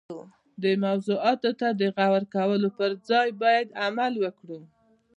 دې موضوعاتو ته د غور کولو پر ځای باید عمل وکړو.